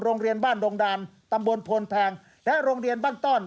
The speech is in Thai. โรงเรียนบ้านดงดานตำบลพลแพงและโรงเรียนบ้านต้อน